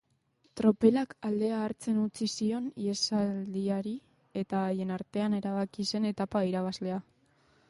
Tropelak aldea hartzen utzi zion ihesaldiari eta haien artean erabaki zen etapa irabazlea.